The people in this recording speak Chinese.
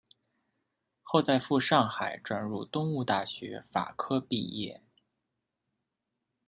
后在赴上海转入东吴大学法科毕业。